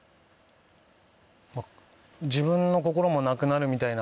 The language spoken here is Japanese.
自分の心もなくなるみたいな。